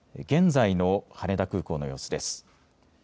現在の羽田空港の様子です。